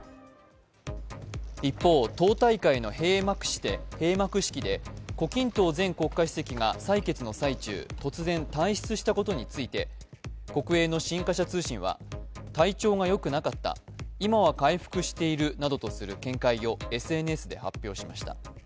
一方、党大会の閉幕式で胡錦涛前国家主席が採決の最中、突然、退出したことについて国営の新華社通信は体調がよくなかった、今は回復しているなどとする見解をＳＮＳで発表しました。